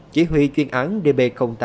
chỉ huy chuyên án db tám